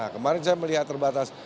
kemarin saya melihat terbatas